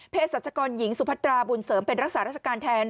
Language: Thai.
สัชกรหญิงสุพัตราบุญเสริมเป็นรักษาราชการแทน